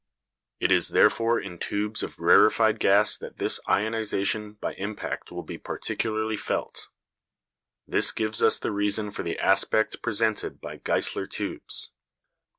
It is therefore in tubes of rarefied gas that this ionisation by impact will be particularly felt. This gives us the reason for the aspect presented by Geissler tubes.